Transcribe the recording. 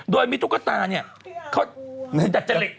โดยมีตุ๊กกระตาเนี่ยเขาทำจริงเลย